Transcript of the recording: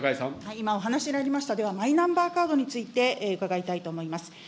今、お話にありました、では、マイナンバーカードについて、伺いたいと思います。